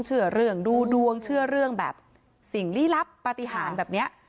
เชื่อเรื่องดูดวงเชื่อเรื่องแบบสิ่งลี้ลับปฏิหารแบบนี้